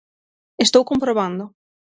Estou comprobando.